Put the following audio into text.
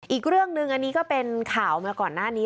อีกเรื่องหนึ่งอันนี้ก็เป็นข่าวมาก่อนหน้านี้